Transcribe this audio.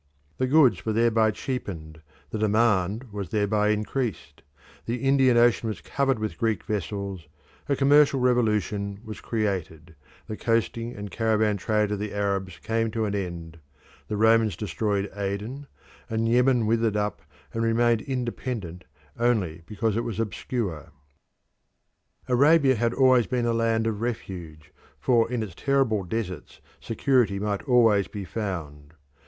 The goods were thereby cheapened, the demand was thereby increased, the Indian Ocean was covered with Greek vessels, a commercial revolution was created, the coasting and caravan trade of the Arabs came to an end, the Romans destroyed Aden, and Yemen withered up and remained independent only because it was obscure. Arabia had always been a land of refuge, for in its terrible deserts security might always be found.